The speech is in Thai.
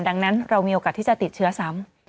ดังนั้นเรามีโอกาสที่จะติดเชื้อซ้ำ